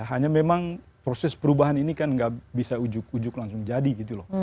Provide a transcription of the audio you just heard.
hanya memang proses perubahan ini kan nggak bisa ujuk ujuk langsung jadi gitu loh